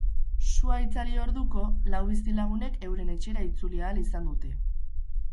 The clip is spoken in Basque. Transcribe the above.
Sua itzali orduko, lau bizilagunek euren etxera itzuli ahal izan dute.